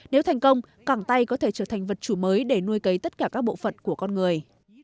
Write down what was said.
nếu thành công cảng tay có thể trở thành vật chủ mới để nuôi cấy tất cả các bộ phận của con người